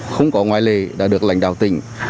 không có ngoại lệ đã được lãnh đạo tỉnh